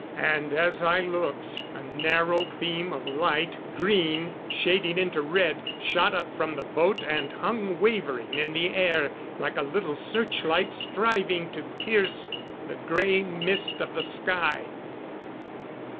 And as I looked, a narrow beam of light, green, shading into red, shot up from the boat and hung wavering in the air like a little search light striving to pierce the gray mist of the sky!